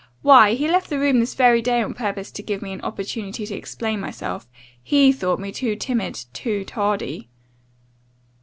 Why, he left the room this very day on purpose to give me an opportunity to explain myself; he thought me too timid too tardy.